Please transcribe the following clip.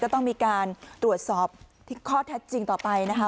ต้องมีการตรวจสอบข้อเท็จจริงต่อไปนะคะ